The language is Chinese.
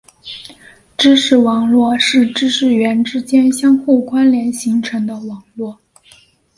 知识网络是知识元之间相互关联形成的网络。